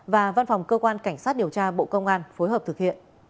và văn phòng cơ quan cảnh sát điều tra bộ công an phối hợp thực hiện